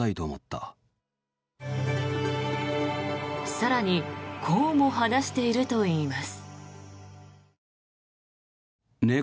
更に、こうも話しているといいます。